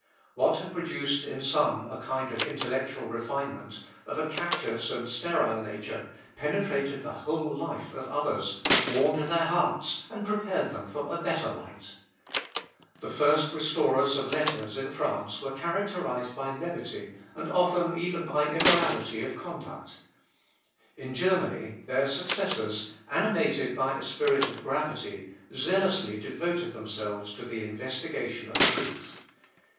What had produced in some a kind of intellectual refinement, of a captious and sterile nature, penetrated the whole life of others, warmed their hearts, and prepared them for a better light. The first restorers of letters in France were characterised by levity, and often even by immorality of conduct. In Germany, their successors, animated by a spirit of gravity, zealously devoted themselves to the investigation of truth.